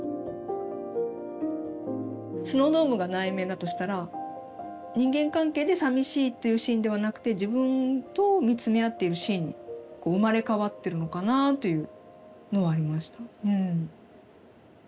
スノードームが内面だとしたら人間関係でさみしいというシーンではなくて自分と見つめ合っているシーンに生まれ変わってるのかなというのはありました。